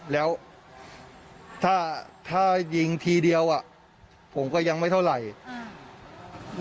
แล้วถ้าถ้ายิงทีเดียวอ่ะผมก็ยังไม่เท่าไหร่